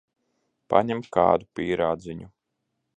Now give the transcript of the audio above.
Paņem kādu pīrādziņu.